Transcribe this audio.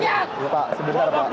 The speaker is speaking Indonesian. iya pak sebentar pak